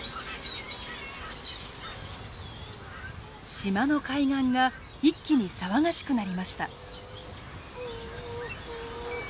島の海岸が一気に騒がしくなりました。